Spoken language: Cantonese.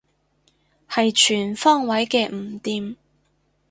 係全方位嘅唔掂